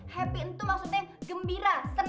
happy itu maksudnya gembira tenang